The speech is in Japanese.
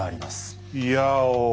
いやおぉ。